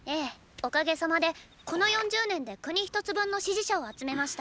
おかげさまでこの４０年で国一つ分の支持者を集めました。